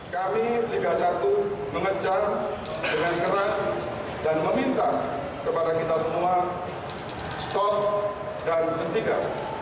kami liga satu mengejar dengan keras dan meminta kepada kita semua stop dan ketiga